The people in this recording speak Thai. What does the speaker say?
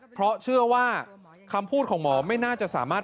เพราะเชื่อว่าคำพูดของหมอไม่น่าจะสามารถ